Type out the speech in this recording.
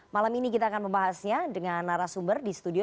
malam ini kita akan membahasnya dengan narasumber di studio